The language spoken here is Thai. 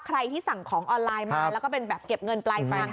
ใครที่สั่งของออนไลน์มาแล้วก็เป็นแบบเก็บเงินปลายทาง